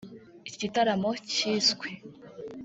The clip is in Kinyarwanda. Iki gitaramo cyiswe